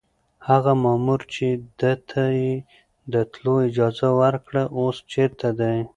هغه مامور چې ده ته يې د تلو اجازه ورکړه اوس چېرته دی؟